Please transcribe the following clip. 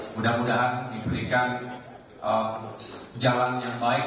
mudah mudahan diberikan jalan yang baik